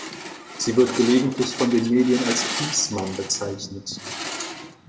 Sie wird gelegentlich von den Medien als „Peace Mom“ bezeichnet.